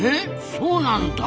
そうなんだ！